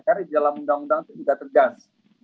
karena di dalam undang undang itu juga tergantung